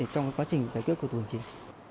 trong quá trình giải quyết của thủ tướng chính